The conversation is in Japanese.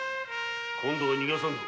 今度は逃さんぞ！